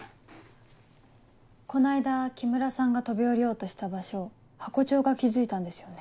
この間木村さんが飛び降りようとした場所ハコ長が気付いたんですよね。